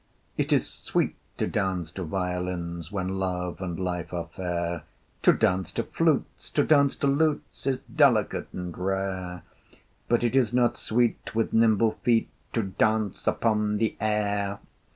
It is sweet to dance to violins When Love and Life are fair: To dance to flutes, to dance to lutes Is delicate and rare: But it is not sweet with nimble feet To dance upon the air!